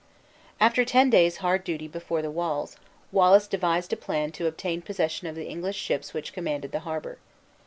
After ten days hard duty before the walls, Wallace devised a plan to obtain possession of the English ships which commanded the harbor.